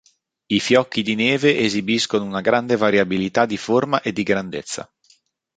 I fiocchi di neve esibiscono una grande variabilità di forma e di grandezza.